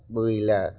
bởi vì là